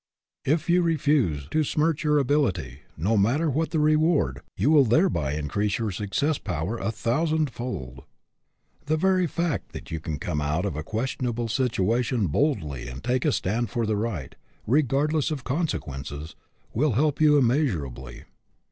If you refuse to smirch your ability, no matter what the reward, you will thereby increase your suc cess power a thousandfold. The very fact that you can come out of a questionable situation boldly and take a stand for the right, regardless of consequences, will help you immeasurably.